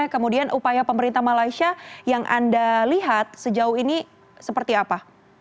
kemudian upaya pemerintah malaysia yang anda lihat sejauh ini seperti apa